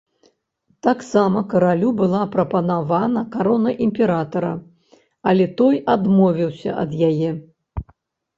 Таксама каралю была прапанавана карона імператара, але той адмовіўся ад яе.